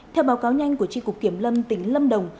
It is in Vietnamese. theo báo cáo nhanh của tri cục kiểm lâm tỉnh lâm đồng